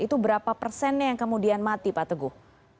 itu berapa persennya yang kemudian mati pak teguh